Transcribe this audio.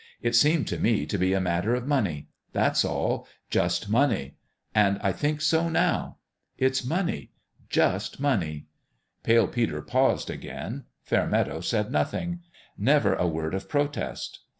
It seemed to me to be a matter of money. That's all. Just 132 PALE PETER'S DONALD money. And I think so, now. It's money just money." Pale Peter paused again. Fairmeadow said nothing never a word of protest.